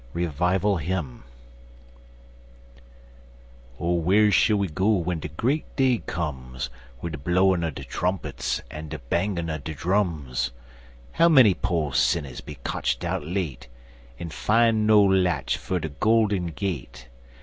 REVIVAL HYMN OH, whar shill we go w'en de great day comes, Wid de blowin' er de trumpits en de bangin' er de drums? How many po' sinners'll be kotched out late En fin' no latch ter de golden gate?